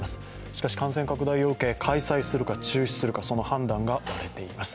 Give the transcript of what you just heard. しかし感染拡大を受け、開催するか中止するか、その判断が割れています。